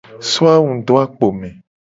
So angu do akpo me.